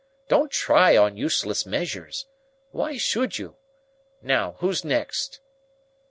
Don't try on useless measures. Why should you? Now, who's next?"